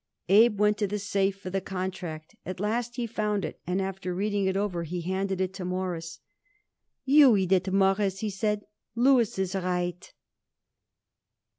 Abe went to the safe for the contract. At last he found it, and after reading it over he handed it to Morris. "You eat it, Mawruss," he said. "Louis is right."